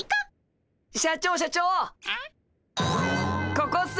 ここっす。